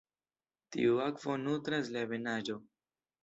Tiu akvo nutras la ebenaĵo.